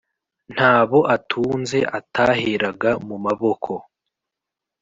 ntabo atunze ataheraga mu maboko